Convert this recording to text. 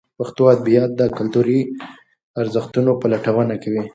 پښتو ادبیات د کلتوري ارزښتونو پلټونه کوي.